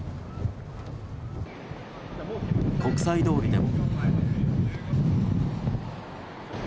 国際通りでも。